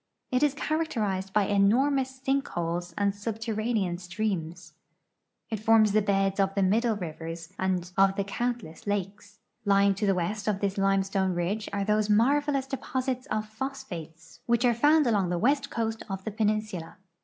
It is characterized by enormous sink holes and sub terranean streams. It forms the beds of the middle rivers and of the countless lakes. Lying to the west of this limestone ridge arc those marvelous deposits of phosjjhates which are found OF THE UNITED STATES 383 along the west coast of the iDeninsula.